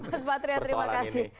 mas patria terima kasih